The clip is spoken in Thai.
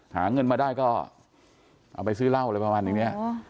หาเงินมาได้ก็เอาไปซื้อเหล้าอะไรประมาณอย่างนี้